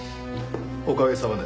おかげさまで。